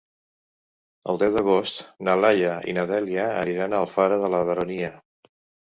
El deu d'agost na Laia i na Dèlia aniran a Alfara de la Baronia.